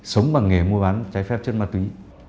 sống bằng nghề mua bán trái phép chất ma túy